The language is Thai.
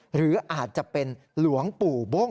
หรืออาจจะเป็นหลวงปู่บ้ง